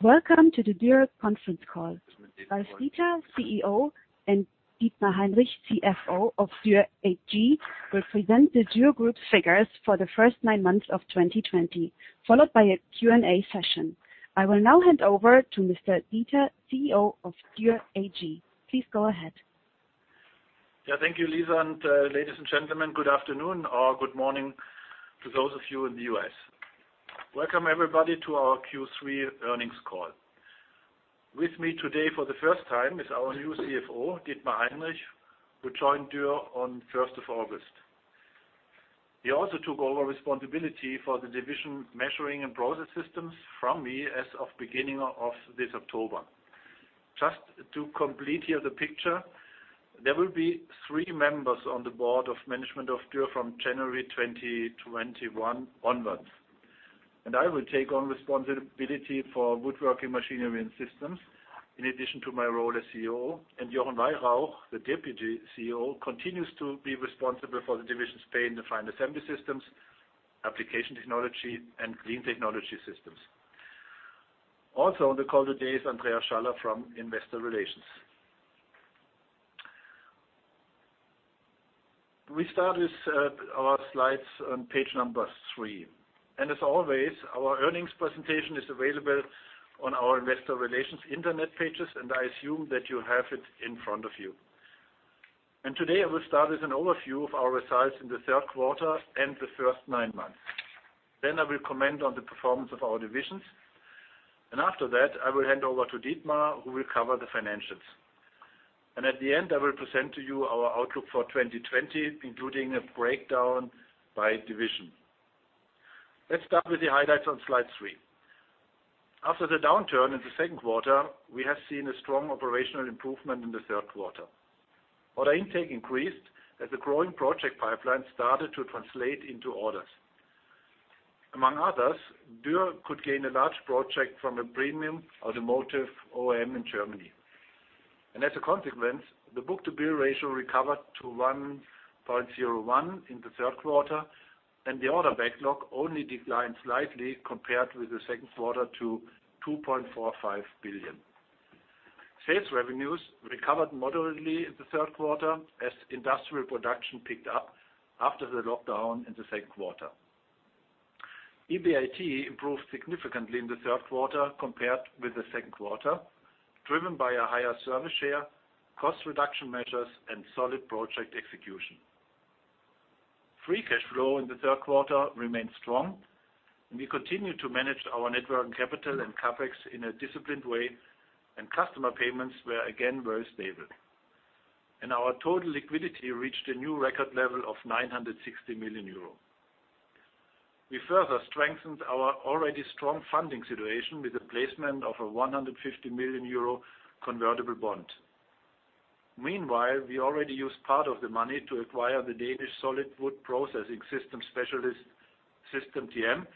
Welcome to the Dürr Conference Call. Ralf Dieter, CEO, and Dietmar Heinrich, CFO of Dürr AG, will present the Dürr Group's figures for the first nine months of 2020, followed by a Q&A session. I will now hand over to Mr. Dieter, CEO of Dürr AG. Please go ahead. Yeah, thank you, Lisa, and ladies and gentlemen, good afternoon or good morning to those of you in the U.S. Welcome, everybody, to our Q3 earnings call. With me today for the first time is our new CFO, Dietmar Heinrich, who joined Dürr on the 1st of August. He also took over responsibility for the division Measuring and Process Systems from me as of the beginning of this October. Just to complete here the picture, there will be three members on the Board of Management of Dürr from January 2021 onwards, and I will take on responsibility for Woodworking Machinery and Systems in addition to my role as CEO, and Jochen Weyrauch, the deputy CEO, continues to be responsible for the division's Paint and Final Assembly Systems, Application Technology, and Clean Technology Systems. Also on the call today is Andreas Schaller from Investor Relations. We start with our slides on page number three, and as always, our earnings presentation is available on our Investor Relations internet pages, and I assume that you have it in front of you, and today, I will start with an overview of our results in the third quarter and the first nine months. Then I will comment on the performance of our divisions, and after that, I will hand over to Dietmar, who will cover the financials, and at the end, I will present to you our outlook for 2020, including a breakdown by division. Let's start with the highlights on slide three. After the downturn in the second quarter, we have seen a strong operational improvement in the third quarter. Order intake increased as the growing project pipeline started to translate into orders. Among others, Dürr could gain a large project from a premium automotive OEM in Germany. As a consequence, the book-to-bill ratio recovered to 1.01 in the third quarter, and the order backlog only declined slightly compared with the second quarter to 2.45 billion. Sales revenues recovered moderately in the third quarter as industrial production picked up after the lockdown in the second quarter. EBIT improved significantly in the third quarter compared with the second quarter, driven by a higher service share, cost reduction measures, and solid project execution. Free cash flow in the third quarter remained strong, and we continued to manage our net working capital and CapEx in a disciplined way, and customer payments were again very stable. Our total liquidity reached a new record level of 960 million euro. We further strengthened our already strong funding situation with the placement of a 150 million euro convertible bond. Meanwhile, we already used part of the money to acquire the Danish solid wood processing system specialist System TM,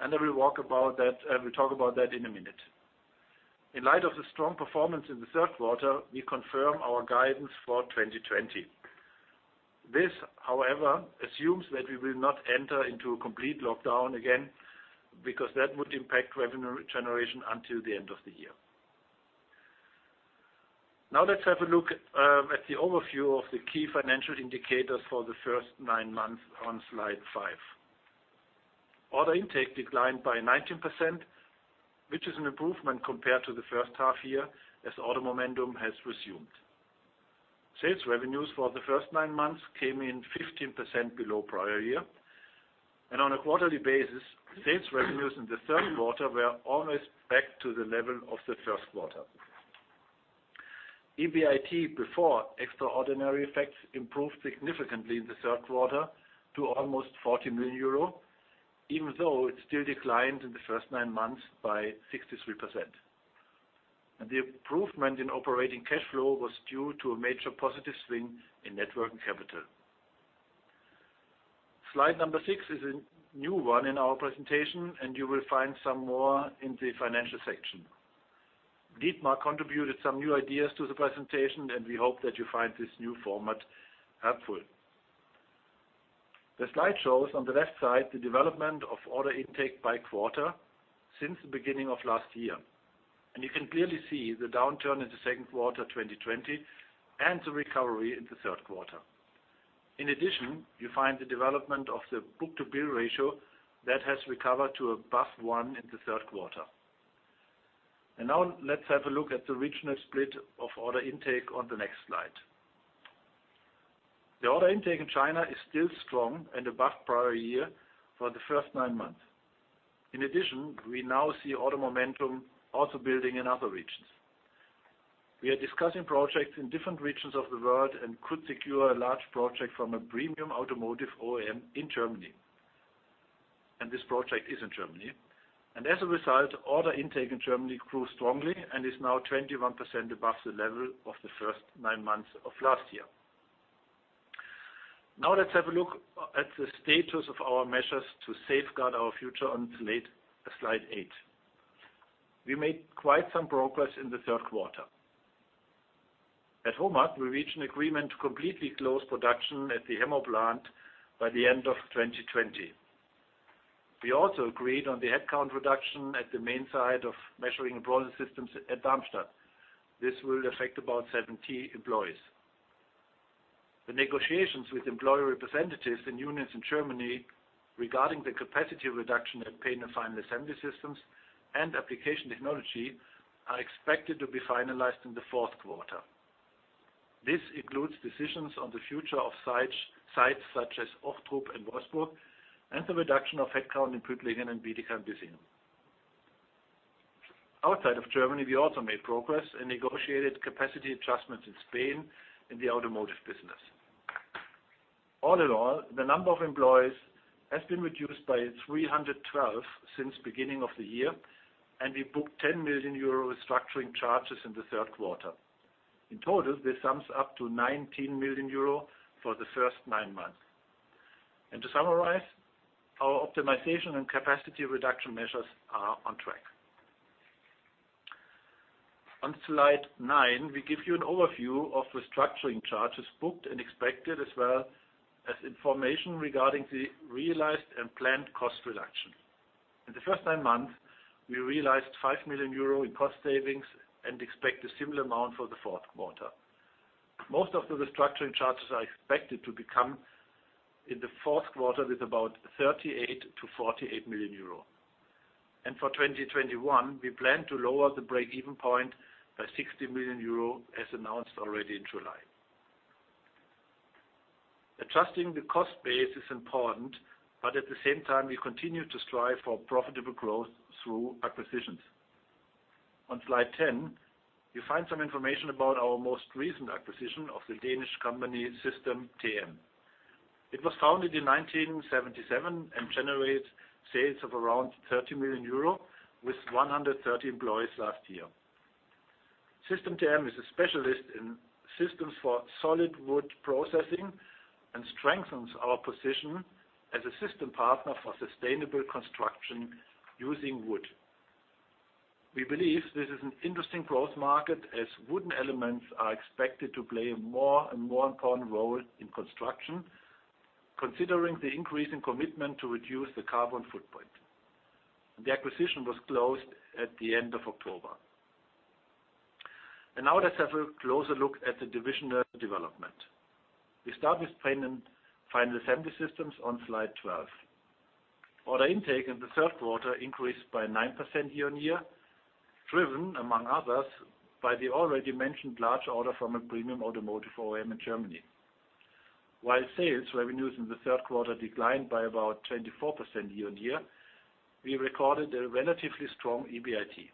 and I will talk about that in a minute. In light of the strong performance in the third quarter, we confirm our guidance for 2020. This, however, assumes that we will not enter into a complete lockdown again because that would impact revenue generation until the end of the year. Now, let's have a look at the overview of the key financial indicators for the first nine months on slide five. Order intake declined by 19%, which is an improvement compared to the first half year as order momentum has resumed. Sales revenues for the first nine months came in 15% below prior year, and on a quarterly basis, sales revenues in the third quarter were almost back to the level of the first quarter. EBIT before extraordinary effects improved significantly in the third quarter to almost 40 million euro, even though it still declined in the first nine months by 63%. And the improvement in operating cash flow was due to a major positive swing in net working capital. Slide number six is a new one in our presentation, and you will find some more in the financial section. Dietmar contributed some new ideas to the presentation, and we hope that you find this new format helpful. The slide shows on the left side the development of order intake by quarter since the beginning of last year, and you can clearly see the downturn in the second quarter 2020 and the recovery in the third quarter. In addition, you find the development of the book-to-bill ratio that has recovered to above one in the third quarter. And now, let's have a look at the regional split of order intake on the next slide. The order intake in China is still strong and above prior year for the first nine months. In addition, we now see order momentum also building in other regions. We are discussing projects in different regions of the world and could secure a large project from a premium automotive OEM in Germany, and this project is in Germany. And as a result, order intake in Germany grew strongly and is now 21% above the level of the first nine months of last year. Now, let's have a look at the status of our measures to safeguard our future on slide eight. We made quite some progress in the third quarter. At HOMAG, we reached an agreement to completely close production at the Hemmoor plant by the end of 2020. We also agreed on the headcount reduction at the main site of Measuring and Process Systems at Darmstadt. This will affect about 70 employees. The negotiations with employee representatives and unions in Germany regarding the capacity reduction at Paint and Final Assembly Systems and Application Technology are expected to be finalized in the fourth quarter. This includes decisions on the future of sites such as Ochtrup and Wolfsburg and the reduction of headcount in Püttlingen and Bietigheim-Bissingen. Outside of Germany, we also made progress and negotiated capacity adjustments in Spain in the automotive business. All in all, the number of employees has been reduced by 312 since the beginning of the year, and we booked 10 million euro restructuring charges in the third quarter. In total, this sums up to 19 million euro for the first nine months. And to summarize, our optimization and capacity reduction measures are on track. On slide nine, we give you an overview of the restructuring charges booked and expected, as well as information regarding the realized and planned cost reduction. In the first nine months, we realized 5 million euro in cost savings and expect a similar amount for the fourth quarter. Most of the restructuring charges are expected to become in the fourth quarter with about 38-48 million euro. And for 2021, we plan to lower the break-even point by 60 million euro as announced already in July. Adjusting the cost base is important, but at the same time, we continue to strive for profitable growth through acquisitions. On slide 10, you find some information about our most recent acquisition of the Danish company System TM. It was founded in 1977 and generates sales of around 30 million euro with 130 employees last year. TM is a specialist in systems for solid wood processing and strengthens our position as a system partner for sustainable construction using wood. We believe this is an interesting growth market as wooden elements are expected to play a more and more important role in construction, considering the increasing commitment to reduce the carbon footprint. The acquisition was closed at the end of October. And now, let's have a closer look at the divisional development. We start with Paint and Final Assembly Systems on slide 12. Order intake in the third quarter increased by 9% year on year, driven, among others, by the already mentioned large order from a premium automotive OEM in Germany. While sales revenues in the third quarter declined by about 24% year on year, we recorded a relatively strong EBIT.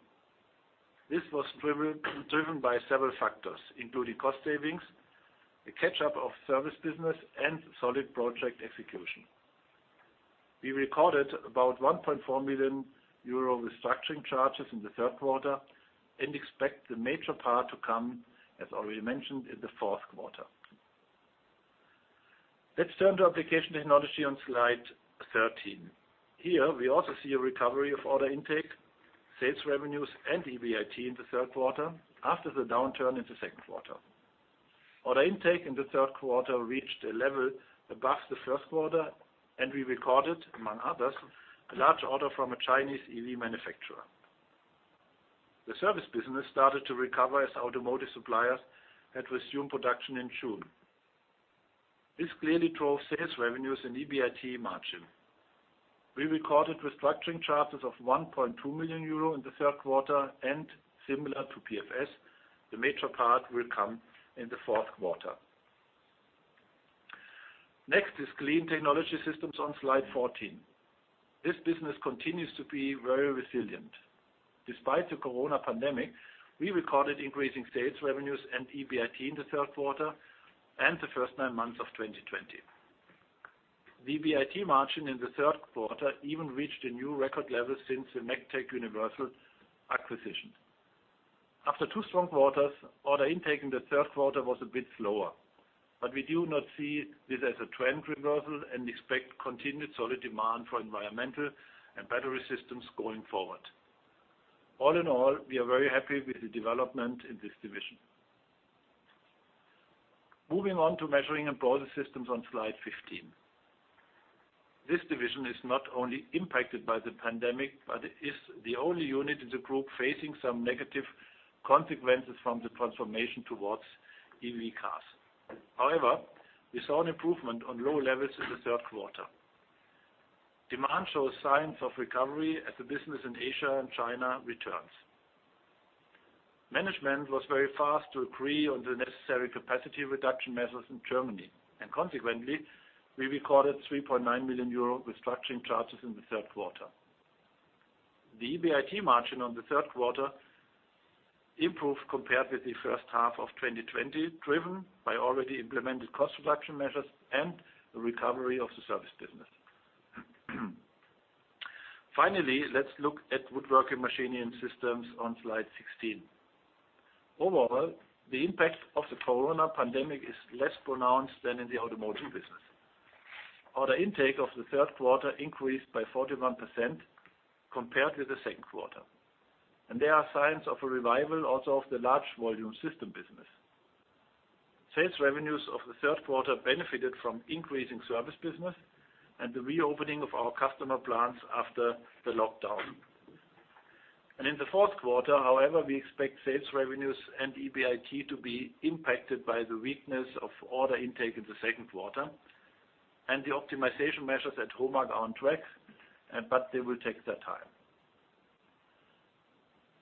This was driven by several factors, including cost savings, the catch-up of service business, and solid project execution. We recorded about 1.4 million euro restructuring charges in the third quarter and expect the major part to come, as already mentioned, in the fourth quarter. Let's turn to Application Technology on slide 13. Here, we also see a recovery of order intake, sales revenues, and EBIT in the third quarter after the downturn in the second quarter. Order intake in the third quarter reached a level above the first quarter, and we recorded, among others, a large order from a Chinese EV manufacturer. The service business started to recover as automotive suppliers had resumed production in June. This clearly drove sales revenues and EBIT margin. We recorded restructuring charges of 1.2 million euro in the third quarter, and similar to PFS, the major part will come in the fourth quarter. Next is Clean Technology Systems on slide 14. This business continues to be very resilient. Despite the corona pandemic, we recorded increasing sales revenues and EBIT in the third quarter and the first nine months of 2020. The EBIT margin in the third quarter even reached a new record level since the Megtec Universal acquisition. After two strong quarters, order intake in the third quarter was a bit slower, but we do not see this as a trend reversal and expect continued solid demand for environmental and battery systems going forward. All in all, we are very happy with the development in this division. Moving on to Measuring and Process Systems on slide 15. This division is not only impacted by the pandemic, but is the only unit in the group facing some negative consequences from the transformation towards EV cars. However, we saw an improvement on low levels in the third quarter. Demand shows signs of recovery as the business in Asia and China returns. Management was very fast to agree on the necessary capacity reduction measures in Germany, and consequently, we recorded 3.9 million euro restructuring charges in the third quarter. The EBIT margin on the third quarter improved compared with the first half of 2020, driven by already implemented cost reduction measures and the recovery of the service business. Finally, let's look at Woodworking Machinery and Systems on slide 16. Overall, the impact of the corona pandemic is less pronounced than in the automotive business. Order intake of the third quarter increased by 41% compared with the second quarter, and there are signs of a revival also of the large volume system business. Sales revenues of the third quarter benefited from increasing service business and the reopening of our customer plants after the lockdown, and in the fourth quarter, however, we expect sales revenues and EBIT to be impacted by the weakness of order intake in the second quarter, and the optimization measures at HOMAG are on track, but they will take their time.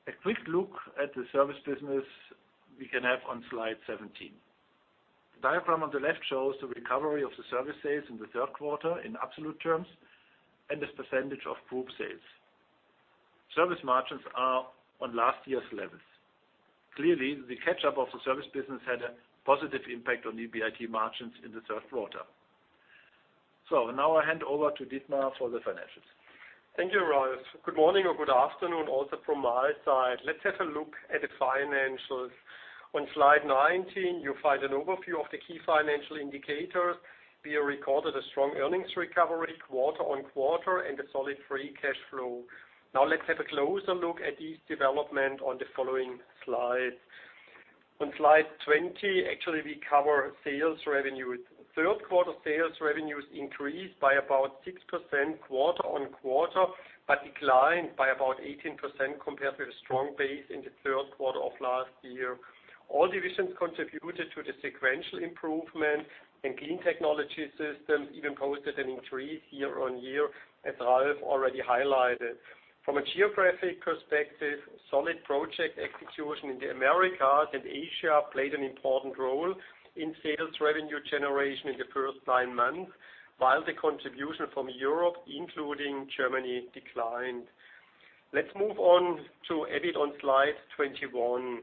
A quick look at the service business we can have on slide 17. The diagram on the left shows the recovery of the service sales in the third quarter in absolute terms and the percentage of group sales. Service margins are on last year's levels. Clearly, the catch-up of the service business had a positive impact on EBIT margins in the third quarter, so now I hand over to Dietmar for the financials. Thank you, Ralf. Good morning or good afternoon also from my side. Let's have a look at the financials. On slide 19, you find an overview of the key financial indicators. We recorded a strong earnings recovery quarter on quarter and a solid free cash flow. Now, let's have a closer look at these developments on the following slides. On slide 20, actually, we cover sales revenues. Third quarter sales revenues increased by about 6% quarter on quarter, but declined by about 18% compared with a strong base in the third quarter of last year. All divisions contributed to the sequential improvement, and Clean Technology Systems even posted an increase year on year, as Ralf already highlighted. From a geographic perspective, solid project execution in the Americas and Asia played an important role in sales revenue generation in the first nine months, while the contribution from Europe, including Germany, declined. Let's move on to EBIT on slide 21.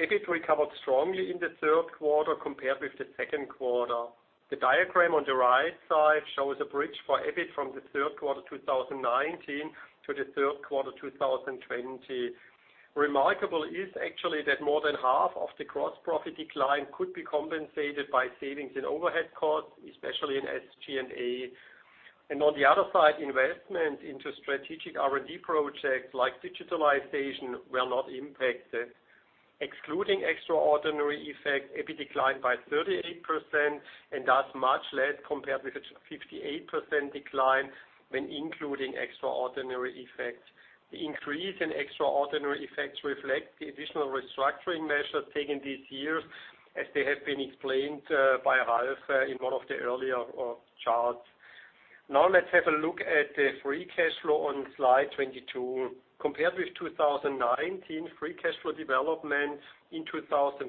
EBIT recovered strongly in the third quarter compared with the second quarter. The diagram on the right side shows a bridge for EBIT from the third quarter 2019 to the third quarter 2020. Remarkable is actually that more than half of the gross profit decline could be compensated by savings in overhead costs, especially in SG&A, and on the other side, investment into strategic R&D projects like digitalization were not impacted. Excluding extraordinary effects, EBIT declined by 38% and thus much less compared with a 58% decline when including extraordinary effects. The increase in extraordinary effects reflects the additional restructuring measures taken these years, as they have been explained by Ralf in one of the earlier charts. Now, let's have a look at the free cash flow on slide 22. Compared with 2019, free cash flow development in 2020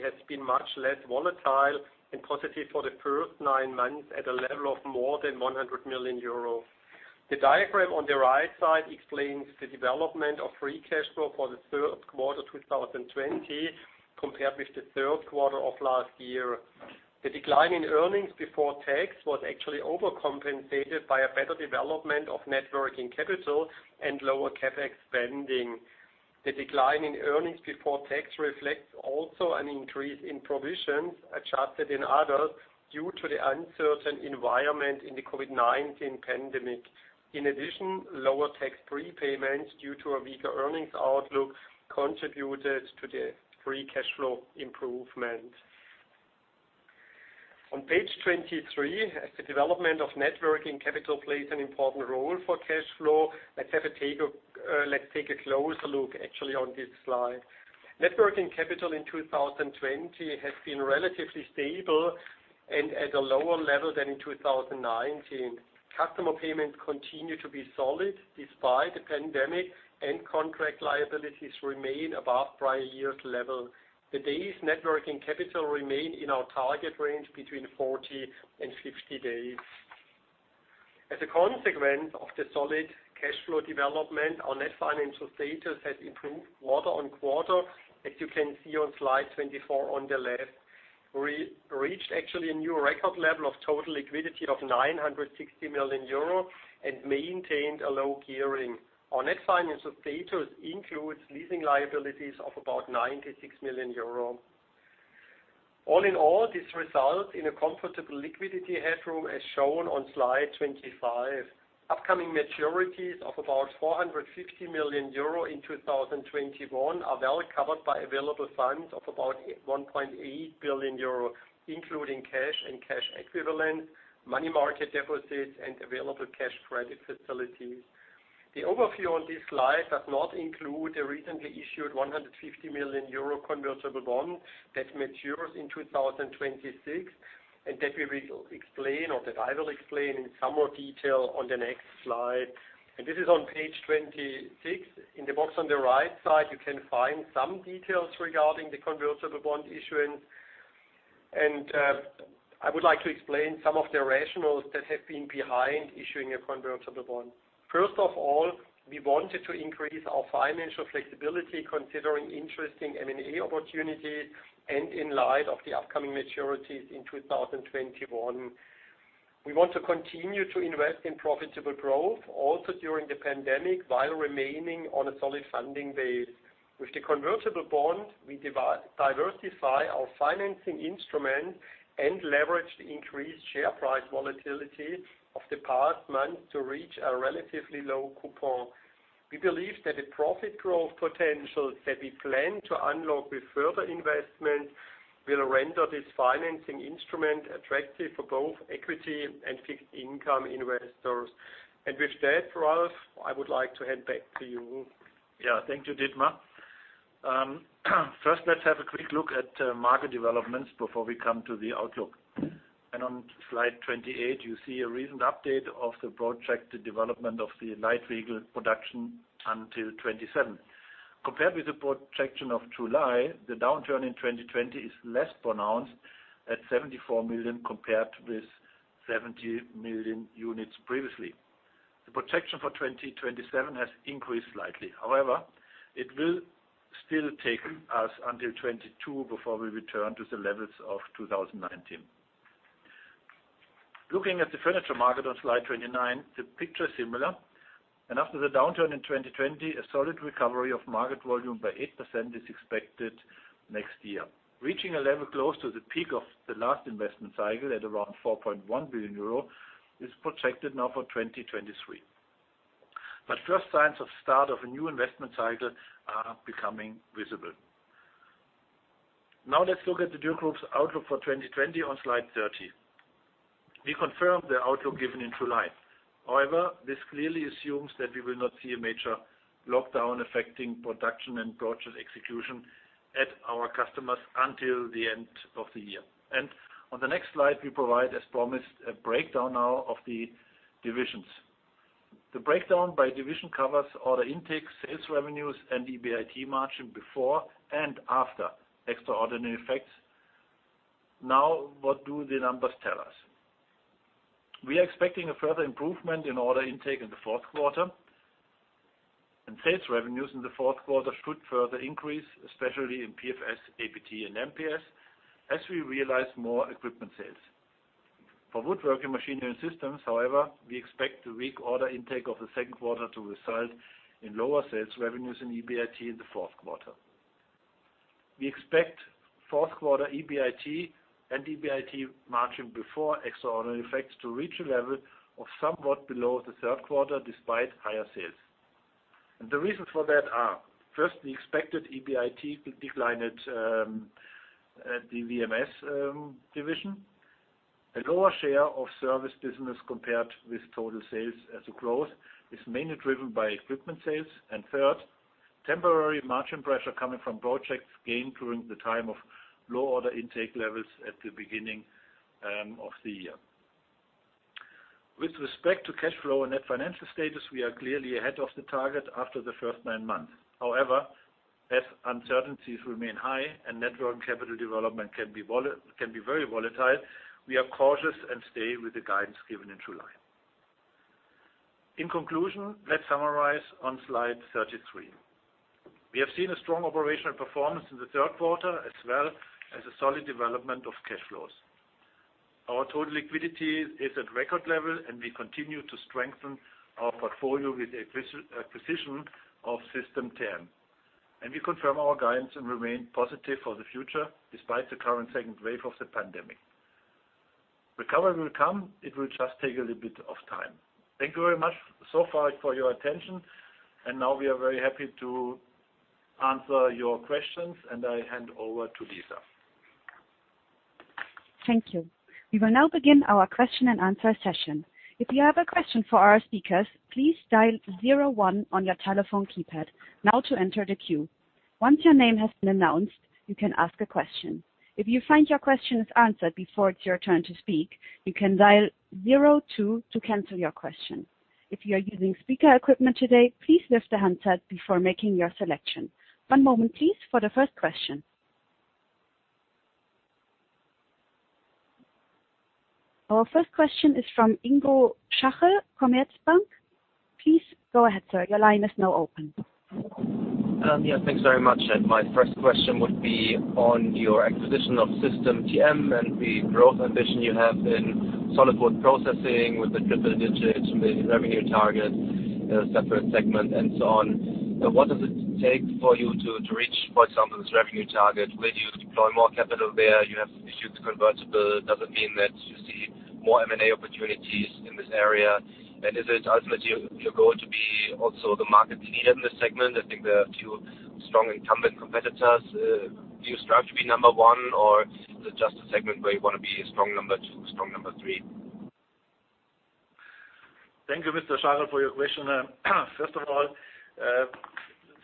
has been much less volatile and positive for the first nine months at a level of more than 100 million euro. The diagram on the right side explains the development of free cash flow for the third quarter 2020 compared with the third quarter of last year. The decline in earnings before tax was actually overcompensated by a better development of net working capital and lower CapEx spending. The decline in earnings before tax reflects also an increase in provisions adjusted in others due to the uncertain environment in the COVID-19 pandemic. In addition, lower tax prepayments due to a weaker earnings outlook contributed to the free cash flow improvement. On page 23, the development of net working capital plays an important role for cash flow. Let's take a closer look actually on this slide. working capital in 2020 has been relatively stable and at a lower level than in 2019. Customer payments continue to be solid despite the pandemic, and contract liabilities remain above prior year's level. Today's net working capital remains in our target range between 40 and 50 days. As a consequence of the solid cash flow development, our net financial status has improved quarter on quarter, as you can see on slide 24 on the left. We reached actually a new record level of total liquidity of 960 million euro and maintained a low gearing. Our net financial status includes leasing liabilities of about 96 million euro. All in all, this results in a comfortable liquidity headroom as shown on slide 25. Upcoming maturities of about 450 million euro in 2021 are well covered by available funds of about 1.8 billion euro, including cash and cash equivalents, money market deposits, and available cash credit facilities. The overview on this slide does not include the recently issued 150 million euro convertible bond that matures in 2026 and that we will explain, or that I will explain in some more detail on the next slide, and this is on page 26. In the box on the right side, you can find some details regarding the convertible bond issuance, and I would like to explain some of the rationale that have been behind issuing a convertible bond. First of all, we wanted to increase our financial flexibility considering interesting M&A opportunities and in light of the upcoming maturities in 2021. We want to continue to invest in profitable growth also during the pandemic while remaining on a solid funding base. With the convertible bond, we diversify our financing instruments and leverage the increased share price volatility of the past months to reach a relatively low coupon. We believe that the profit growth potentials that we plan to unlock with further investments will render this financing instrument attractive for both equity and fixed income investors. And with that, Ralf, I would like to hand back to you. Yeah, thank you, Dietmar. First, let's have a quick look at market developments before we come to the outlook. And on slide 28, you see a recent update of the projected development of the light vehicle production until 2027. Compared with the projection of July, the downturn in 2020 is less pronounced at 74 million compared with 70 million units previously. The projection for 2027 has increased slightly. However, it will still take us until 2022 before we return to the levels of 2019. Looking at the furniture market on slide 29, the picture is similar. And after the downturn in 2020, a solid recovery of market volume by 8% is expected next year, reaching a level close to the peak of the last investment cycle at around 4.1 billion euro is projected now for 2023. But first signs of start of a new investment cycle are becoming visible. Now, let's look at the Dürr Group's outlook for 2020 on slide 30. We confirm the outlook given in July. However, this clearly assumes that we will not see a major lockdown affecting production and project execution at our customers until the end of the year. And on the next slide, we provide, as promised, a breakdown now of the divisions. The breakdown by division covers order intake, sales revenues, and EBIT margin before and after extraordinary effects. Now, what do the numbers tell us? We are expecting a further improvement in order intake in the fourth quarter, and sales revenues in the fourth quarter should further increase, especially in PFS, APT, and MPS, as we realize more equipment sales. For Woodworking Machinery and Systems, however, we expect the weak order intake of the second quarter to result in lower sales revenues and EBIT in the fourth quarter. We expect fourth quarter EBIT and EBIT margin before extraordinary effects to reach a level of somewhat below the third quarter despite higher sales. The reasons for that are, first, the expected EBIT decline at the WMS division, a lower share of service business compared with total sales as a growth is mainly driven by equipment sales, and third, temporary margin pressure coming from projects gained during the time of low order intake levels at the beginning of the year. With respect to cash flow and net financial status, we are clearly ahead of the target after the first nine months. However, as uncertainties remain high and net working capital development can be very volatile, we are cautious and stay with the guidance given in July. In conclusion, let's summarize on slide 33. We have seen a strong operational performance in the third quarter, as well as a solid development of cash flows. Our total liquidity is at record level, and we continue to strengthen our portfolio with the acquisition of System TM. And we confirm our guidance and remain positive for the future despite the current second wave of the pandemic. Recovery will come. It will just take a little bit of time. Thank you very much so far for your attention, and now we are very happy to answer your questions, and I hand over to Lisa. Thank you. We will now begin our question and answer session. If you have a question for our speakers, please dial zero one on your telephone keypad now to enter the queue. Once your name has been announced, you can ask a question. If you find your question is answered before it's your turn to speak, you can dial 02 to cancel your question. If you are using speaker equipment today, please lift the handset before making your selection. One moment, please, for the first question. Our first question is from Ingo Schacher from Commerzbank. Please go ahead, sir. Your line is now open. Yeah, thanks very much. My first question would be on your acquisition of System TM and the growth ambition you have in solid wood processing with the triple digit revenue target, a separate segment, and so on. What does it take for you to reach, for example, this revenue target? Will you deploy more capital there? You have issued the convertible. Does it mean that you see more M&A opportunities in this area? And is it ultimately your goal to be also the market leader in this segment? I think there are a few strong incumbent competitors. Do you strive to be number one, or is it just a segment where you want to be strong number two, strong number three? Thank you, Mr. Schaller, for your question. First of all,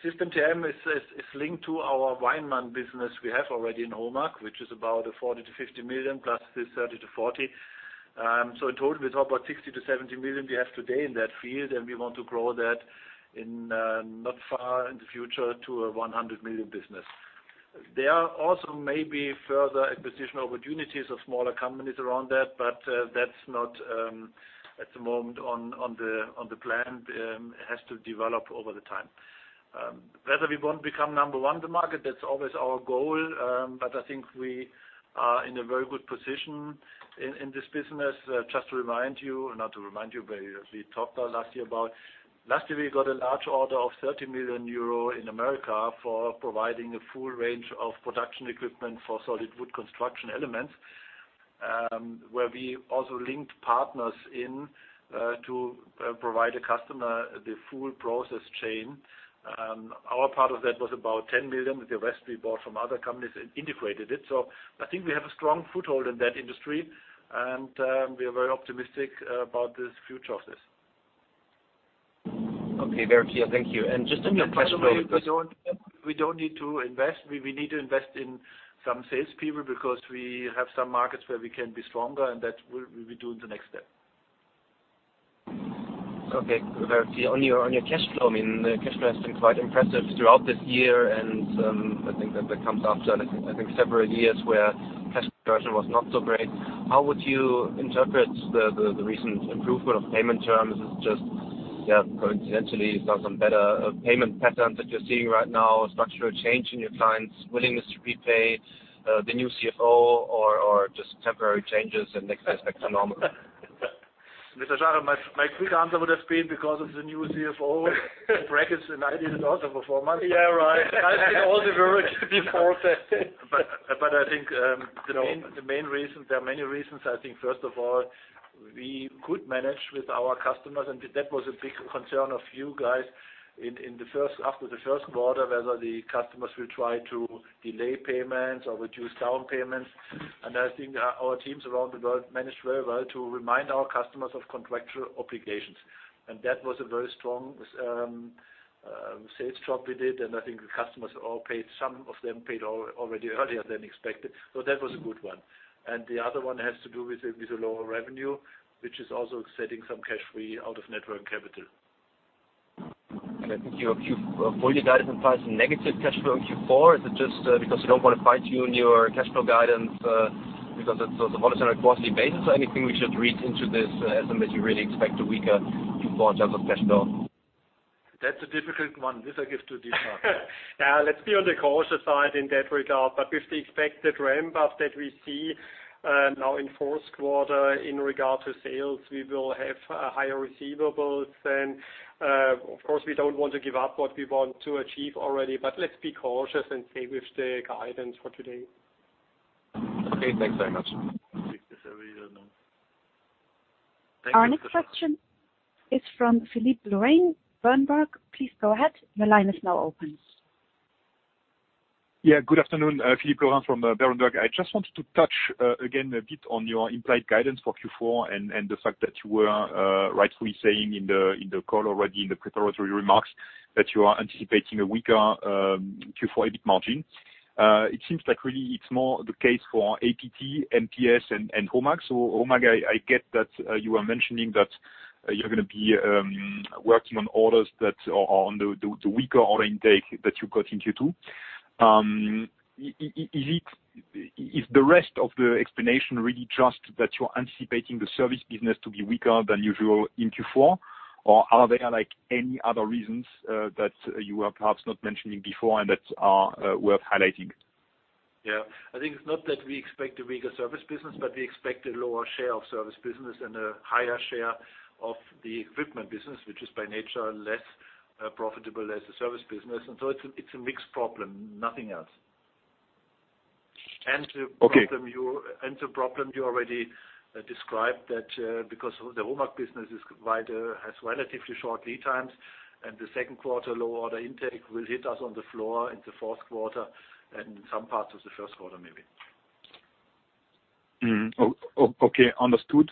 System TM is linked to our Weinmann business we have already in HOMAG, which is about 40 million-50 million plus the 30 million-40 million. So in total, we talk about 60 million-70 million we have today in that field, and we want to grow that not far in the future to a 100 million business. There are also maybe further acquisition opportunities of smaller companies around that, but that's not at the moment on the plan. It has to develop over the time. Whether we want to become number one in the market, that's always our goal, but I think we are in a very good position in this business. Just to remind you, not to remind you, but we talked last year about last year. We got a large order of 30 million euro in America for providing a full range of production equipment for solid wood construction elements, where we also linked partners in to provide a customer the full process chain. Our part of that was about 10 million. The rest we bought from other companies and integrated it. So I think we have a strong foothold in that industry, and we are very optimistic about the future of this. Okay, Dieter, thank you. And just on your question of. We don't need to invest. We need to invest in some sales people because we have some markets where we can be stronger, and that will be doing the next step. Okay, Dieter, on your cash flow, I mean, the cash flow has been quite impressive throughout this year, and I think that that comes after, I think, several years where cash conversion was not so great. How would you interpret the recent improvement of payment terms? Is it just, yeah, coincidentally some better payment patterns that you're seeing right now, a structural change in your clients' willingness to prepay, the new CFO, or just temporary changes and next steps back to normal? Mr. Schaller, my quick answer would have been because of the new CFO, better discipline and also performance. Yeah, right. I did all the work before that. But I think the main reason, there are many reasons. I think, first of all, we could manage with our customers, and that was a big concern of you guys after the first quarter, whether the customers will try to delay payments or reduce down payments. And I think our teams around the world managed very well to remind our customers of contractual obligations. And that was a very strong sales job we did, and I think the customers all paid, some of them paid already earlier than expected. So that was a good one. And the other one has to do with the lower revenue, which is also setting some cash free out of net working capital. Okay, thank you. Q4, you guys have some negative cash flow in Q4. Is it just because you don't want to fine-tune your cash flow guidance because it's on a volatile quarterly basis? Is there anything we should read into this estimate? You really expect a weaker Q4 in terms of cash flow? That's a difficult one. This I give to Dietmar. Yeah, let's be on the cautious side in that regard. But with the expected ramp-up that we see now in fourth quarter in regard to sales, we will have higher receivables. And of course, we don't want to give up what we want to achieve already, but let's be cautious and stay with the guidance for today. Okay, thanks very much. Thank you. Our next question is from Philippe Lorrain, Berenberg. Please go ahead. Your line is now open. Yeah, good afternoon. Philippe Lorrain from Berenberg. I just wanted to touch again a bit on your implied guidance for Q4 and the fact that you were rightfully saying in the call already in the preparatory remarks that you are anticipating a weaker Q4 EBIT margin. It seems like really it's more the case for APT, MPS, and HOMAG. So HOMAG, I get that you were mentioning that you're going to be working on orders that are on the weaker order intake that you got in Q2. Is the rest of the explanation really just that you're anticipating the service business to be weaker than usual in Q4, or are there any other reasons that you were perhaps not mentioning before and that are worth highlighting? Yeah, I think it's not that we expect a weaker service business, but we expect a lower share of service business and a higher share of the equipment business, which is by nature less profitable as a service business. And so it's a mixed problem, nothing else. And the problem you already described, that because the HOMAG business has relatively short lead times and the second quarter low order intake will hit us on the floor in the fourth quarter and some parts of the first quarter maybe. Okay, understood.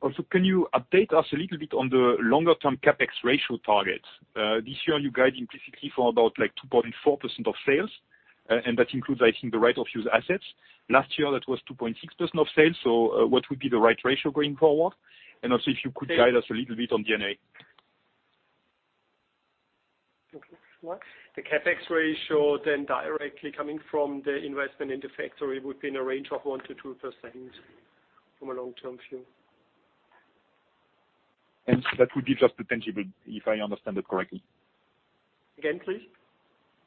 Also, can you update us a little bit on the longer-term CapEx ratio targets? This year, you guide implicitly for about 2.4% of sales, and that includes, I think, the right-of-use assets. Last year, that was 2.6% of sales. So what would be the right ratio going forward? And also, if you could guide us a little bit on D&A. The CapEx ratio then directly coming from the investment in the factory would be in a range of 1%-2% from a long-term view. And that would be just the tangible, if I understand it correctly. Again, please.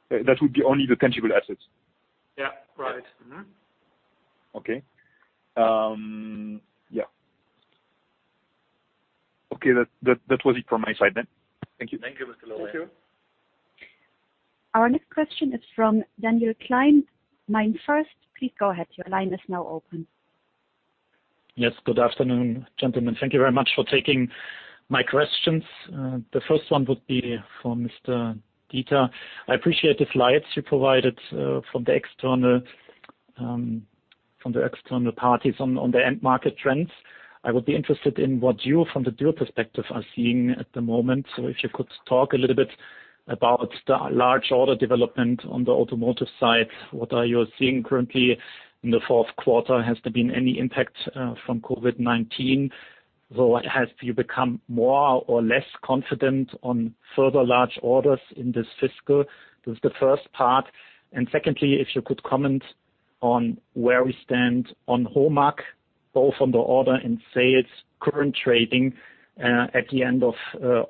That would be only the tangible assets. Yeah, right. Okay. Yeah. Okay, that was it from my side then. Thank you. Thank you, Mr. Lorrain. Thank you. Our next question is from Daniel Gleim. MainFirst, please go ahead. Your line is now open. Yes, good afternoon, gentlemen. Thank you very much for taking my questions. The first one would be for Mr. Dieter. I appreciate the slides you provided from the external parties on the end market trends. I would be interested in what you, from the Dürr perspective, are seeing at the moment. So if you could talk a little bit about the large order development on the automotive side, what are you seeing currently in the fourth quarter? Has there been any impact from COVID-19? So have you become more or less confident on further large orders in this fiscal? This is the first part. And secondly, if you could comment on where we stand on HOMAG, both on the order and sales current trading at the end of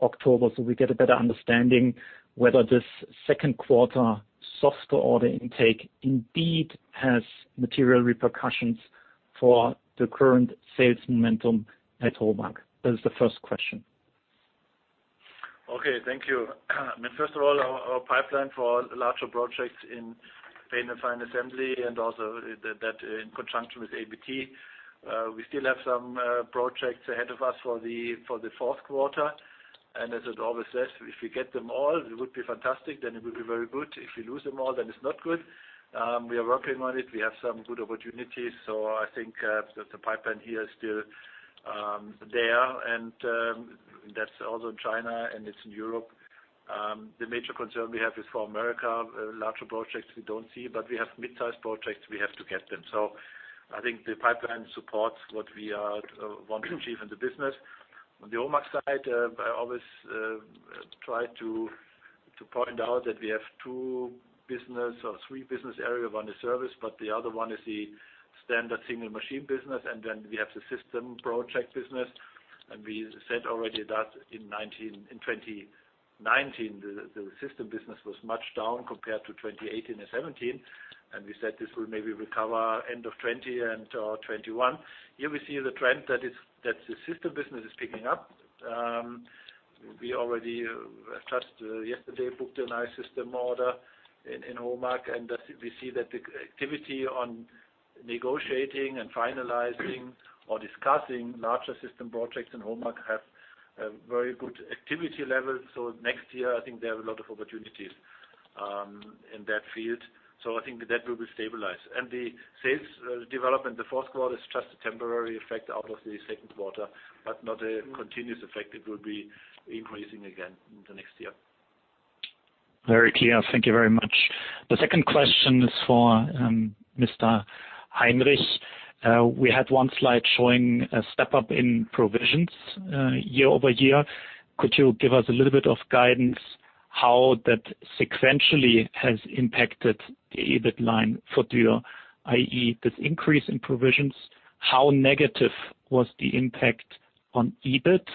October so we get a better understanding whether this second quarter soft order intake indeed has material repercussions for the current sales momentum at HOMAG. That is the first question. Okay, thank you. First of all, our pipeline for larger projects in paint and final assembly and also that in conjunction with APT. We still have some projects ahead of us for the fourth quarter. As it always says, if we get them all, it would be fantastic. It would be very good. If we lose them all, then it's not good. We are working on it. We have some good opportunities. I think the pipeline here is still there. That's also in China, and it's in Europe. The major concern we have is for America. Larger projects we don't see, but we have mid-size projects we have to get them. I think the pipeline supports what we want to achieve in the business. On the HOMAG side, I always try to point out that we have two business or three business areas. One is service, but the other one is the standard single machine business. Then we have the system project business. We said already that in 2019, the system business was much down compared to 2018 and 2017. We said this will maybe recover end of 2020 and 2021. Here we see the trend that the system business is picking up. We already just yesterday booked a nice system order in HOMAG, and we see that the activity on negotiating and finalizing or discussing larger system projects in HOMAG has very good activity level. Next year, I think there are a lot of opportunities in that field. I think that will be stabilized. The sales development, the fourth quarter is just a temporary effect out of the second quarter, but not a continuous effect. It will be increasing again in the next year. Very clear, thank you very much. The second question is for Mr. Heinrich. We had one slide showing a step-up in provisions year over year. Could you give us a little bit of guidance how that sequentially has impacted the EBIT line for Dürr, i.e., this increase in provisions? How negative was the impact on EBIT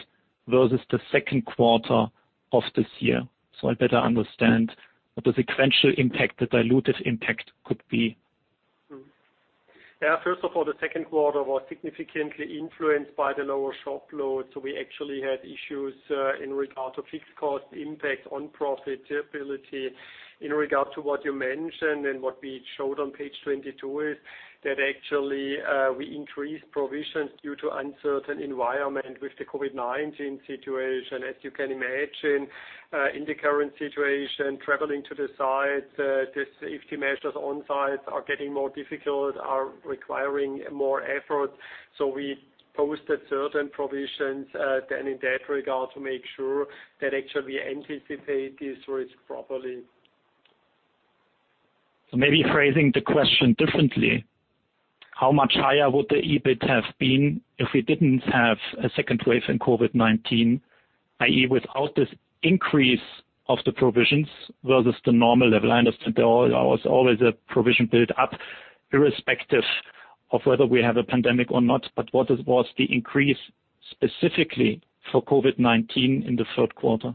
versus the second quarter of this year? So I better understand what the sequential impact, the dilutive impact could be. Yeah, first of all, the second quarter was significantly influenced by the lower shop load. So we actually had issues in regard to fixed cost impact on profitability. In regard to what you mentioned and what we showed on page 22 is that actually we increased provisions due to uncertain environment with the COVID-19 situation. As you can imagine, in the current situation, traveling to the sites, the safety measures on sites are getting more difficult, are requiring more effort. We posted certain provisions then in that regard to make sure that actually we anticipate this risk properly. Maybe phrasing the question differently, how much higher would the EBITDA have been if we didn't have a second wave in COVID-19, i.e., without this increase of the provisions versus the normal level? I understand there was always a provision build-up irrespective of whether we have a pandemic or not, but what was the increase specifically for COVID-19 in the third quarter?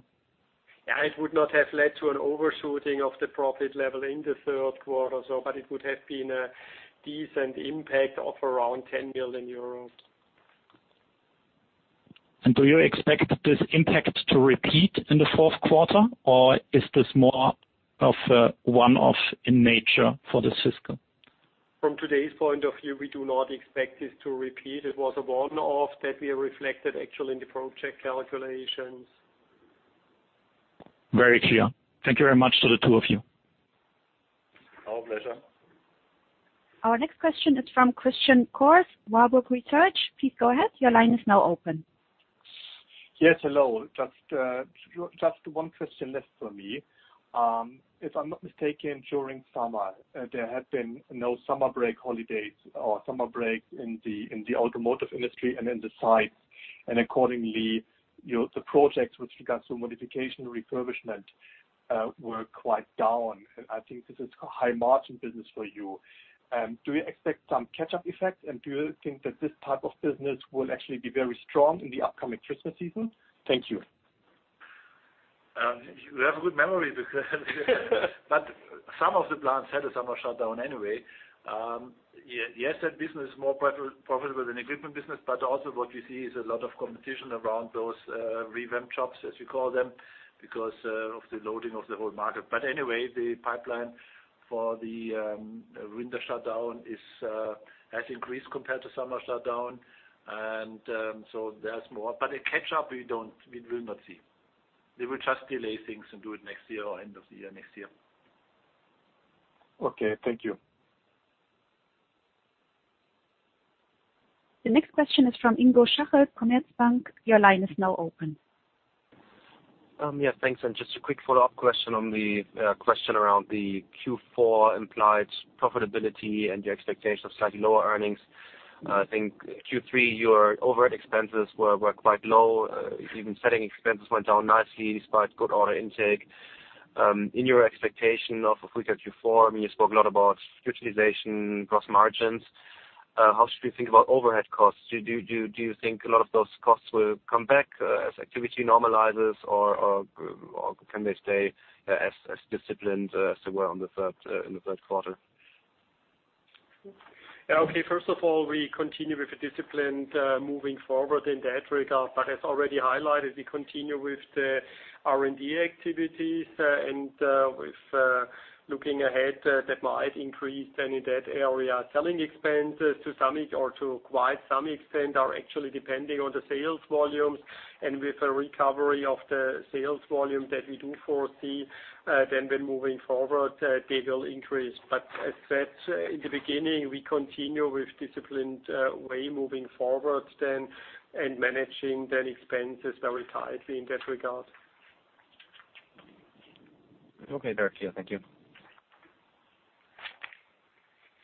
Yeah, it would not h ave led to an overshooting of the profit level in the third quarter, but it would have been a decent impact of around 10 million euros. Do you expect this impact to repeat in the fourth quarter, or is this more of a one-off in nature for the fiscal? From today's point of view, we do not expect this to repeat. It was a one-off that we reflected actually in the project calculations. Very clear. Thank you very much to the two of you. Our pleasure. Our next question is from Christian Cohrs from Warburg Research. Please go ahead. Your line is now open. Yes, hello. Just one question left for me. If I'm not mistaken, during summer, there had been no summer break holidays or summer break in the automotive industry and in the sites. And accordingly, the projects with regards to modification and refurbishment were quite down. And I think this is high-margin business for you. Do you expect some catch-up effect, and do you think that this type of business will actually be very strong in the upcoming Christmas season? Thank you. We have a good memory because some of the plants had a summer shutdown anyway. Yes, that business is more profitable than the equipment business, but also what we see is a lot of competition around those revamp jobs, as we call them, because of the loading of the whole market. But anyway, the pipeline for the winter shutdown has increased compared to summer shutdown. And so there's more. But a catch-up, we will not see. They will just delay things and do it next year or end of the year next year. Okay, thank you. The next question is from Ingo Schacher, Commerzbank. Your line is now open. Yes, thanks. And just a quick follow-up question on the question around the Q4 implied profitability and your expectation of slightly lower earnings. I think Q3, your overhead expenses were quite low. Even SG&A expenses went down nicely despite good order intake. In your expectation of weaker Q4, I mean, you spoke a lot about utilization, gross margins. How should we think about overhead costs? Do you think a lot of those costs will come back as activity normalizes, or can they stay as disciplined as they were in the third quarter? Yeah, okay. First of all, we continue with the discipline moving forward in that regard. But as already highlighted, we continue with the R&D activities. And with looking ahead, that might increase then in that area. Selling expenses to some or to quite some extent are actually depending on the sales volumes. And with a recovery of the sales volume that we do foresee, then when moving forward, they will increase. But as said in the beginning, we continue with disciplined way moving forward then and managing then expenses very tightly in that regard. Okay, very clear. Thank you.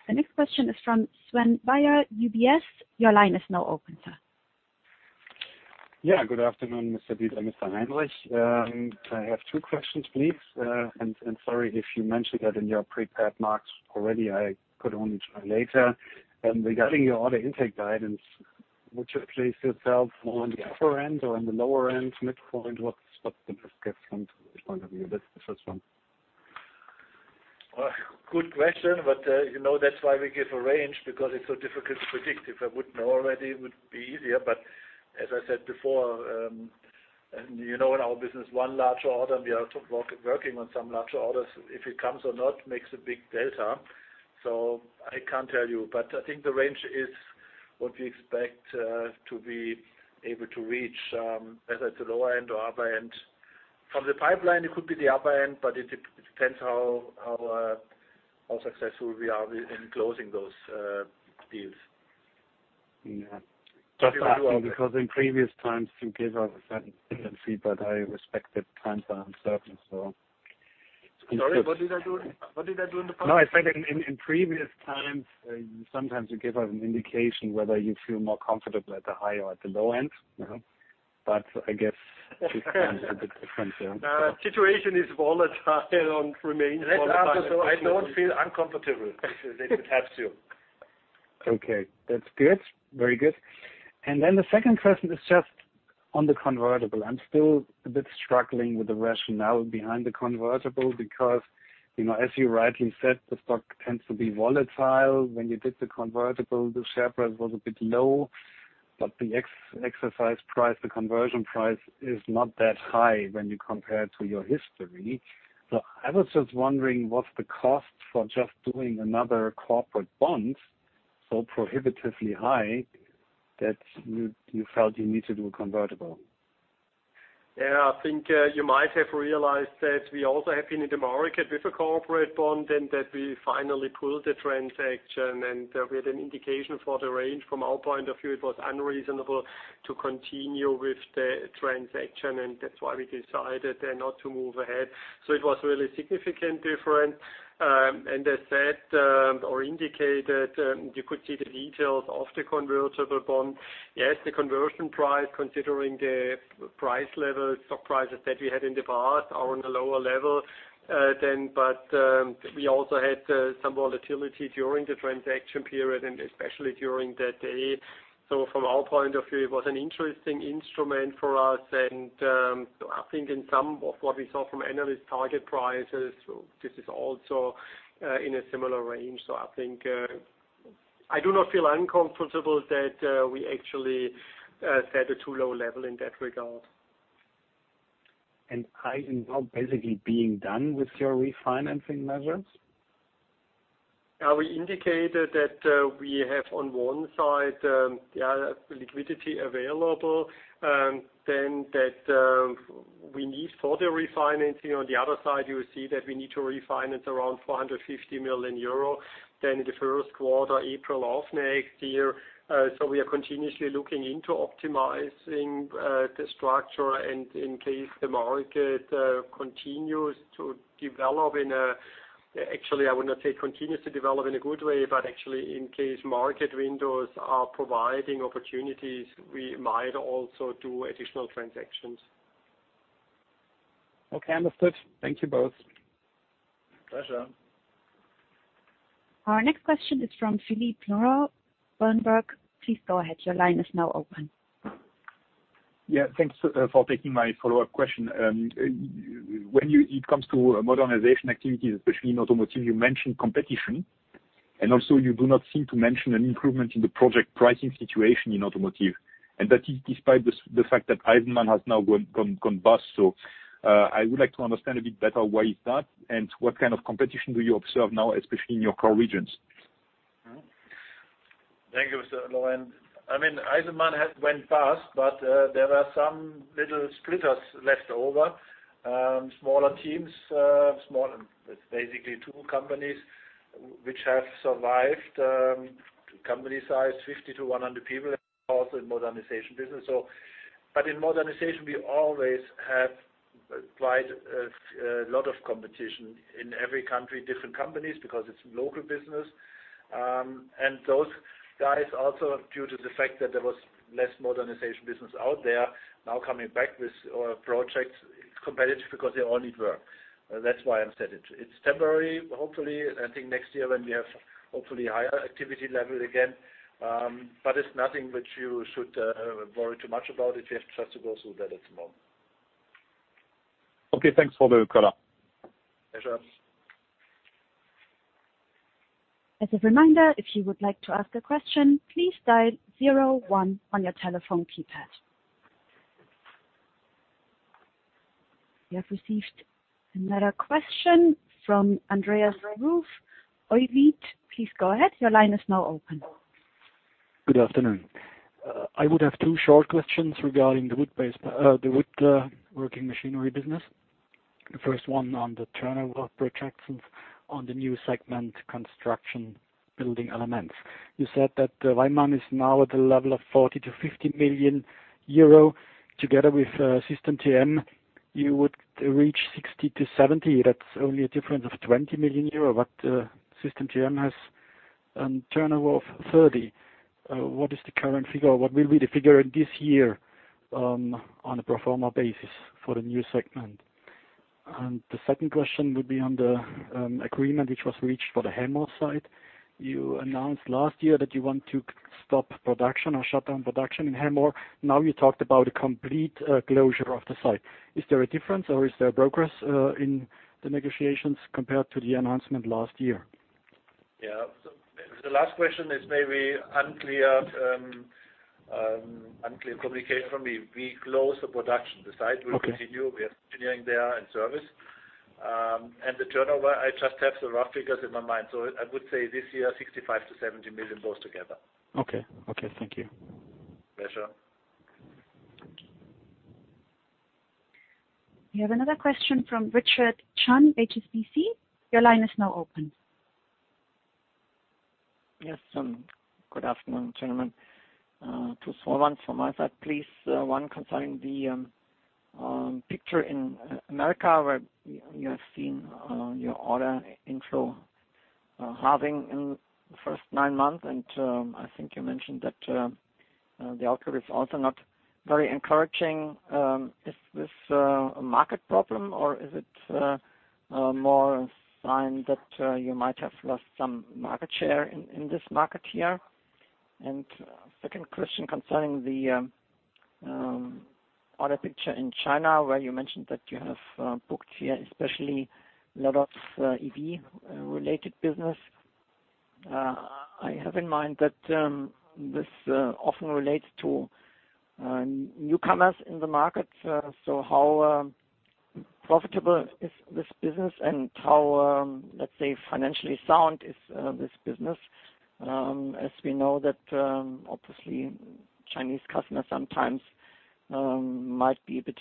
The next question is from Sven Weier, UBS. Your line is now open, sir. Yeah, good afternoon, Mr. Dieter, Mr. Heinrich. I have two questions, please. And sorry if you mentioned that in your prepared remarks already. I could only join later. Regarding your order intake guidance, would you place yourself more on the upper end or on the lower end, midpoint? What's the best guess from your point of view? That's the first one. Good question, but that's why we give a range, because it's so difficult to predict. If I would know already, it would be easier. But as I said before, in our business, one larger order, and we are working on some larger orders, if it comes or not makes a big delta. So I can't tell you. But I think the range is what we expect to be able to reach. Whether it's the lower end or upper end. From the pipeline, it could be the upper end, but it depends how successful we are in closing those deals. Just asking because in previous times, you gave us a certain feedback. I respect that times are uncertain, so. Sorry, what did I do in the past? No, I said in previous times, sometimes you give us an indication whether you feel more comfortable at the high or at the low end, but I guess this time is a bit different. Situation is volatile and remains volatile. As I answered those questions, I don't feel uncomfortable. It helps you. Okay, that's good. Very good, and then the second question is just on the convertible. I'm still a bit struggling with the rationale behind the convertible because, as you rightly said, the stock tends to be volatile. When you did the convertible, the share price was a bit low, but the exercise price, the conversion price is not that high when you compare to your history. So I was just wondering, was the cost for just doing another corporate bond so prohibitively high that you felt you need to do a convertible? Yeah, I think you might have realized that we also have been in the market with a corporate bond and that we finally pulled the transaction. And there was an indication for the range. From our point of view, it was unreasonable to continue with the transaction, and that's why we decided then not to move ahead. So it was really a significant difference. And as said or indicated, you could see the details of the convertible bond. Yes, the conversion price, considering the price levels, stock prices that we had in the past are on a lower level than. But we also had some volatility during the transaction period and especially during that day. So from our point of view, it was an interesting instrument for us. And I think in some of what we saw from analyst target prices, this is also in a similar range. So I think I do not feel uncomfortable that we actually set a too low level in that regard. And are you now basically being done with your refinancing measures? We indicated that we have, on one side, yeah, liquidity available, then that we need further refinancing. On the other side, you see that we need to refinance around 450 million euro then in the first quarter, April of next year. So we are continuously looking into optimizing the structure. In case the market continues to develop in a, actually, I would not say continues to develop in a good way, but actually in case market windows are providing opportunities, we might also do additional transactions. Okay, understood. Thank you both. Pleasure. Our next question is from Philippe Lorrain of Berenberg. Please go ahead. Your line is now open. Yeah, thanks for taking my follow-up question. When it comes to modernization activities, especially in automotive, you mentioned competition. And also, you do not seem to mention an improvement in the project pricing situation in automotive. And that is despite the fact that Eisenmann has now gone bust. So I would like to understand a bit better why is that and what kind of competition do you observe now, especially in your core regions? Thank you, Mr. Lorrain. I mean, Eisenmann went bust, but there are some little splinter groups left over, smaller teams, basically two companies which have survived, company size 50 to 100 people, also in modernization business. But in modernization, we always have quite a lot of competition in every country, different companies because it's local business. And those guys also, due to the fact that there was less modernization business out there, now coming back with projects competitive because they all need work. That's why I'm setting it. It's temporary, hopefully. I think next year when we have hopefully higher activity level again. But it's nothing which you should worry too much about if you have just to go through that at the moment. Okay, thanks for the question. Pleasure. As a reminder, if you would like to ask a question, please dial zero one on your telephone keypad. We have received another question from Andreas Ruf. Andreas Ruf, please go ahead. Your line is now open. Good afternoon. I would have two short questions regarding the woodworking machinery business. The first one on the turnover projections on the new segment construction building elements. You said that Weinmann is now at the level of 40-50 million euro. Together with System TM, you would reach 60-70 million. That's only a difference of 20 million euro, but System TM has a turnover of 30. What is the current figure? What will be the figure in this year on a pro forma basis for the new segment? And the second question would be on the agreement which was reached for the Hemmoor site. You announced last year that you want to stop production or shut down production in Hemmoor. Now you talked about a complete closure of the site. Is there a difference or is there a progress in the negotiations compared to the announcement last year? Yeah, the last question is maybe unclear communication from me. We closed the production. The site will continue. We have engineering there and service. And the turnover, I just have the rough figures in my mind. So I would say this year 65 million-70 million both together. Okay, okay. Thank you. Pleasure. We have another question from Richard Schramm, HSBC. Your line is now open. Yes, good afternoon, gentlemen. Two small ones from my side, please. One concerning the picture in the Americas where you have seen your order inflow halving in the first nine months. And I think you mentioned that the outlook is also not very encouraging. Is this a market problem or is it more a sign that you might have lost some market share in this market here? And second question concerning the order picture in China, where you mentioned that you have booked here, especially a lot of EV-related business. I have in mind that this often relates to newcomers in the market. So how profitable is this business and how, let's say, financially sound is this business? As we know that, obviously, Chinese customers sometimes might be a bit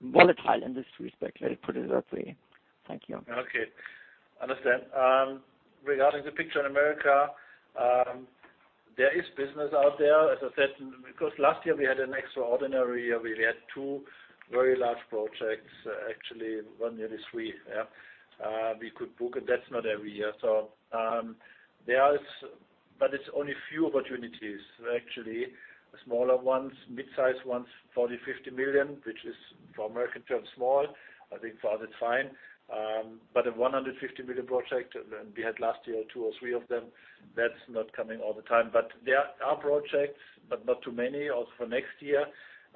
volatile in this respect, let me put it that way. Thank you. Okay, understand. Regarding the picture in America, there is business out there, as I said, because last year we had an extraordinary year. We had two very large projects, actually one nearly three, yeah, we could book, and that's not every year. So there is, but it's only few opportunities, actually. Smaller ones, mid-sized ones, 40-50 million, which is for American terms small. I think for us it's fine. But a 150 million project, we had last year two or three of them, that's not coming all the time. But there are projects, but not too many for next year.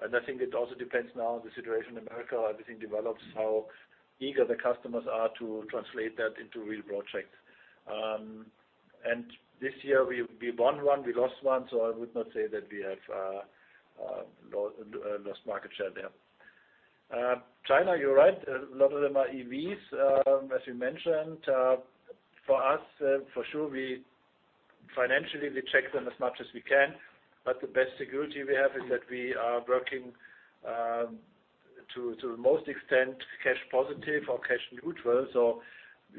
And I think it also depends now on the situation in America, how everything develops, how eager the customers are to translate that into real projects. And this year we won one, we lost one, so I would not say that we have lost market share there. China, you're right, a lot of them are EVs, as you mentioned. For us, for sure, financially we check them as much as we can. But the best security we have is that we are working to the most extent cash positive or cash neutral. So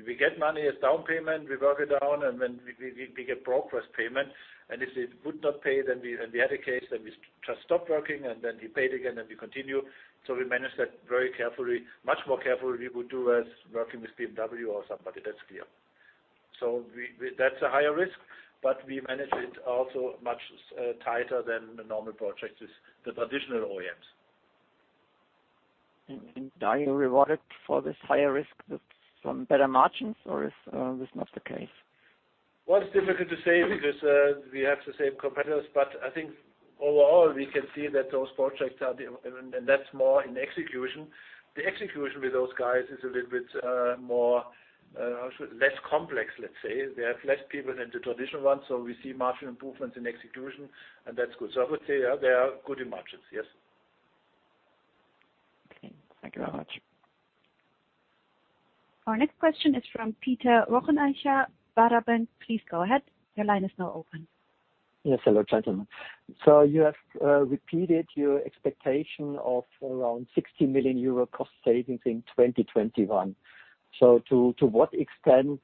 we get money as down payment, we work it down, and then we get progress payment. And if they would not pay, then we had a case and we just stopped working, and then we paid again and we continue. So we manage that very carefully, much more carefully we would do as working with BMW or somebody, that's clear. So that's a higher risk, but we manage it also much tighter than normal projects with the traditional OEMs. And are you rewarded for this higher risk with some better margins or is this not the case? Well, it's difficult to say because we have the same competitors. But I think overall we can see that those projects are the and that's more in execution. The execution with those guys is a little bit more less complex, let's say. They have less people than the traditional ones, so we see margin improvements in execution, and that's good. So I would say they are good in margins, yes. Okay, thank you very much. Our next question is from Peter Rothenaicher, Baader Bank. Please go ahead. Your line is now open. Yes, hello gentlemen. So you have repeated your expectation of around 60 million euro cost savings in 2021. So to what extent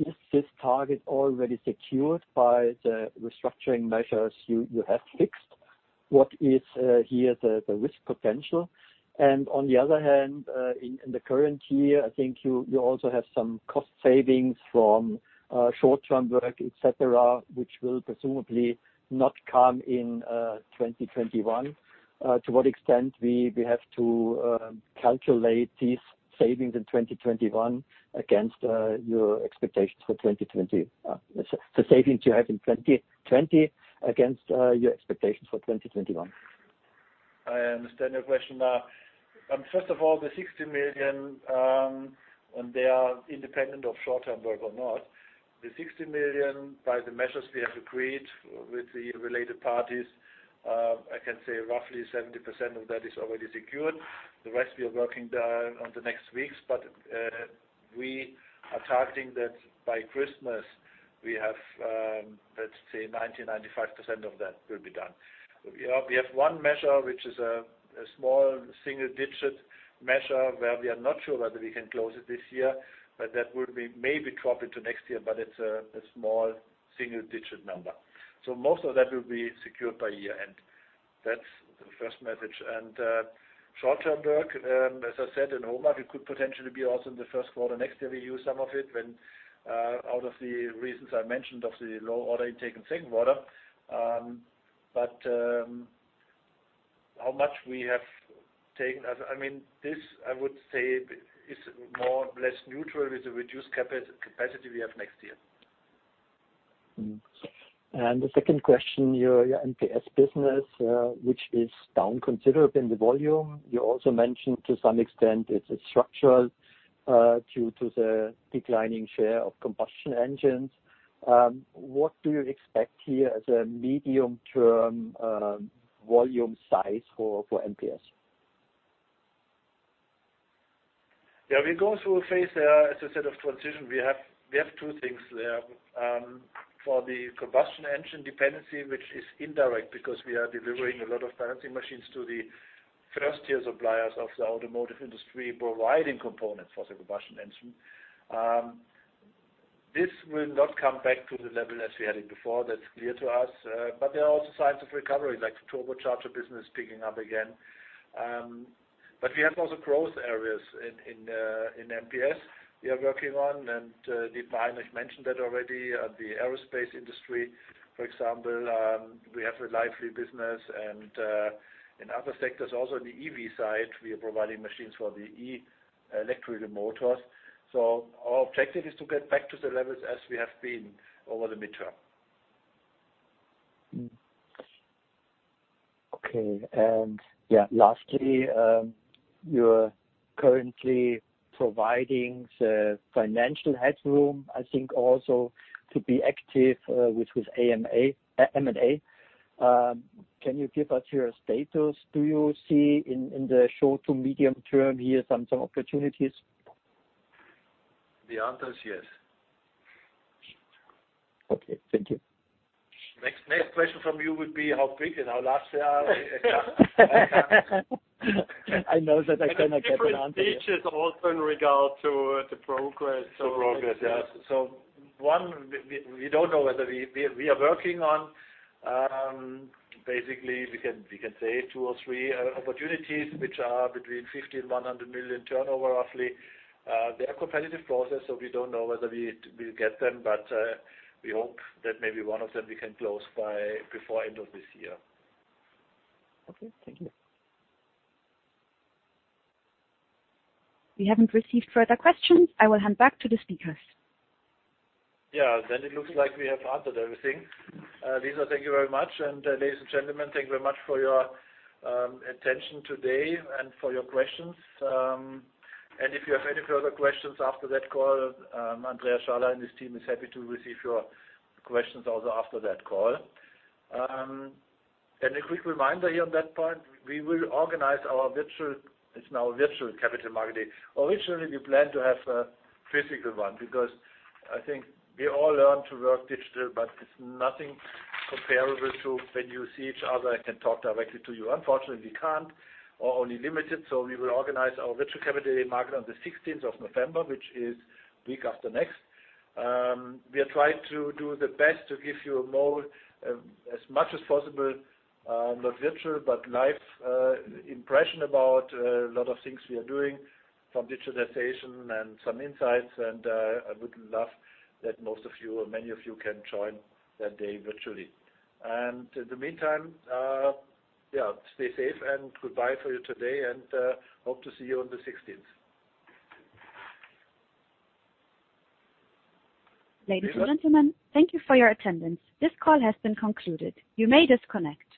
is this target already secured by the restructuring measures you have fixed? What is here the risk potential? And on the other hand, in the current year, I think you also have some cost savings from short-term work, etc., which will presumably not come in 2021. To what extent we have to calculate these savings in 2021 against your expectations for 2020? The savings you have in 2020 against your expectations for 2021. I understand your question now. First of all, the 60 million, when they are independent of short-term work or not, the 60 million by the measures we have agreed with the related parties, I can say roughly 70% of that is already secured. The rest we are working on the next weeks, but we are targeting that by Christmas we have, let's say, 90%-95% of that will be done. We have one measure which is a small single-digit measure where we are not sure whether we can close it this year, but that will maybe drop into next year, but it's a small single-digit number. So most of that will be secured by year-end. That's the first message. Short-term work, as I said, in HOMAG, we could potentially be also in the first quarter next year we use some of it out of the reasons I mentioned of the low order intake in second quarter. But how much we have taken, I mean, this I would say is more or less neutral with the reduced capacity we have next year. And the second question, your MPS business, which is down considerably in the volume, you also mentioned to some extent it's structural due to the declining share of combustion engines. What do you expect here as a medium-term volume size for MPS? Yeah, we go through a phase there, as I said, of transition. We have two things there. For the combustion engine dependency, which is indirect because we are delivering a lot of balancing machines to the first-tier suppliers of the automotive industry providing components for the combustion engine. This will not come back to the level as we had it before. That's clear to us. But there are also signs of recovery, like turbocharger business picking up again. But we have also growth areas in MPS we are working on, and Dietmar and I have mentioned that already. The aerospace industry, for example, we have a lively business. And in other sectors, also in the EV side, we are providing machines for the electric motors. So our objective is to get back to the levels as we have been over the midterm. Okay. And yeah, lastly, you're currently providing the financial headroom, I think, also to be active with M&A. Can you give us your status? Do you see in the short to medium term here some opportunities? The answer is yes. Okay, thank you. Next question from you would be how big and how large they are. I know that I cannot get an answer. The pitch is also in regard to the progress. The progress, yes. So one, we don't know whether we are working on basically we can say two or three opportunities which are between 50 million and 100 million turnover roughly. They are competitive process, so we don't know whether we will get them, but we hope that maybe one of them we can close by before end of this year. Okay, thank you. We haven't received further questions. I will hand back to the speakers. Yeah, then it looks like we have answered everything. Lisa, thank you very much. Ladies and gentlemen, thank you very much for your attention today and for your questions. If you have any further questions after that call, Andreas Schaller and his team is happy to receive your questions also after that call. A quick reminder here on that point, we will organize our virtual. It's now a virtual capital markets. Originally, we planned to have a physical one because I think we all learn to work digital, but it's nothing comparable to when you see each other and can talk directly to you. Unfortunately, we can't or only limited. We will organize our virtual capital markets on the 16th of November, which is the week after next. We have tried to do the best to give you as much as possible, not virtual, but live impression about a lot of things we are doing from digitization and some insights. And I would love that most of you or many of you can join that day virtually. And in the meantime, yeah, stay safe and goodbye for you today, and hope to see you on the 16th. Ladies and gentlemen, thank you for your attendance. This call has been concluded. You may disconnect.